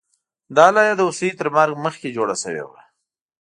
دا لایه د هوسۍ تر مرګ مخکې جوړه شوې وه